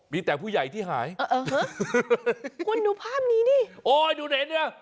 มีแต่ผู้ใหญ่ที่หายเออคุณดูภาพนี้ดิโอ้ยดูไหนเนี่ย